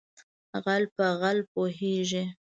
ـ غل په غل پوهېږي.